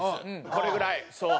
これぐらいそう。